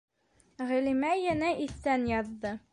- Ғәлимә йәнә иҫтән яҙҙы.